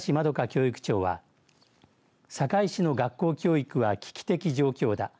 教育長は堺市の学校教育は危機的状況だ。